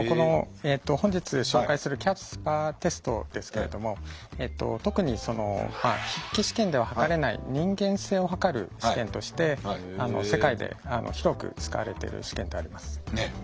本日紹介するキャスパーテストですけれども特に筆記試験でははかれない人間性をはかる試験として世界で広く使われている試験であります。